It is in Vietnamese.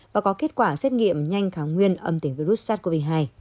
và có kết quả xét nghiệm nhanh kháng nguyên âm tính với virus sars cov hai